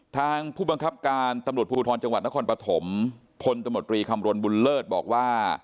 ทางผู้บังคับการตำรวจภูทรจังหวัดนครปฐมพลตำรวจรีคำรณบุญเลิศบอกว่า